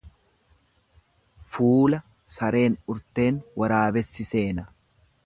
Fuula sareen urteen waraabessi seena.